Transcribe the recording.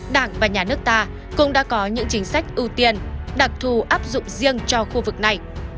đảng và nhà nước ta cũng đã có những chính sách ưu tiên đặc thù áp dụng riêng cho khu vực này